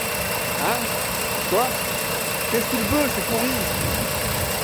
Hein ? quoi ? qu’est-ce qu’il veut, ce pourri ?…